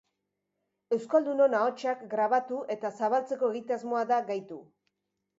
Euskaldunon ahotsak grabatu eta zabaltzeko egitasmoa da gaitu.